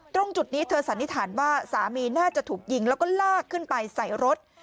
ตรงจุดนี้เธอสันนิษฐานว่าสามีน่าจะถูกยิงแล้วก็ลากขึ้นไปใส่รถ